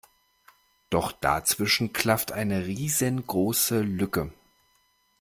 Doch dazwischen klafft eine riesengroße Lücke.